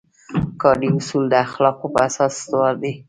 کاري اصول د اخلاقو په اساس استوار دي.